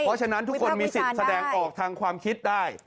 เพราะฉะนั้นทุกคนมีสิทธิ์แสดงออกทางความคิดได้